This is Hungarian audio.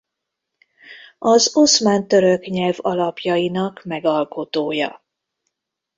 Az oszmán-török nyelv alapjainak megalkotója.